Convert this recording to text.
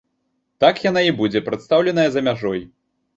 Так яна і будзе прадстаўленая за мяжой.